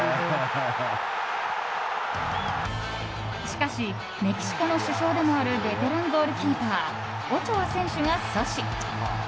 しかしメキシコの主将でもあるベテランゴールキーパーオチョア選手が阻止。